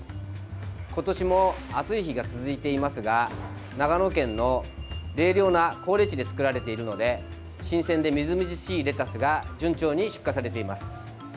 今年も暑い日が続いていますが長野県の冷涼な高冷地で作られているので新鮮でみずみずしいレタスが順調に出荷されています。